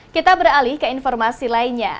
kita beralih ke informasi lainnya